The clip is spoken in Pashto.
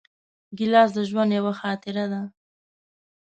ګیلاس د ژوند یوه خاطره ده.